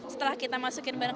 setelah kita masukin barang barang